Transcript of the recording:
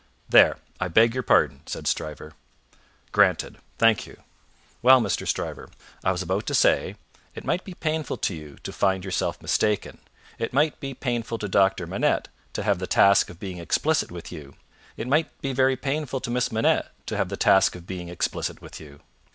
"There! I beg your pardon!" said Stryver. "Granted. Thank you. Well, Mr. Stryver, I was about to say: it might be painful to you to find yourself mistaken, it might be painful to Doctor Manette to have the task of being explicit with you, it might be very painful to Miss Manette to have the task of being explicit with you.